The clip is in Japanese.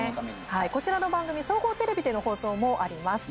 こちらの番組総合テレビでの放送もあります。